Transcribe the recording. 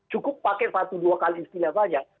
cukup pakai satu dua kali istilahnya